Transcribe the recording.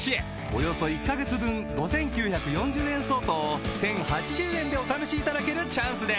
およそ１カ月分５，９４０円相当を１，０８０円でお試しいただけるチャンスです